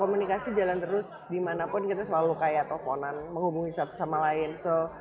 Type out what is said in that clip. komunikasi jalan terus dimanapun kita selalu kayak toponan menghubungi satu sama lain so